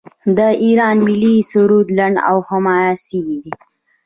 د ایران ملي سرود لنډ او حماسي دی.